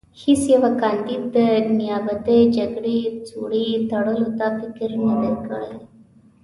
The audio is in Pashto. هېڅ یوه کاندید د نیابتي جګړې سوړې تړلو ته فکر نه دی کړی.